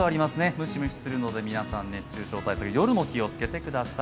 ムシムシするので皆さん、熱中症対策、夜も気をつけてください。